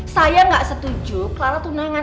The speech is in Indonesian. saya gak setuju clara tunangan